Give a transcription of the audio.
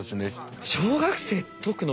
小学生解くの？